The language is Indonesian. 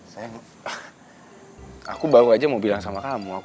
sayang aku mau nemenin aku ke sekolah gak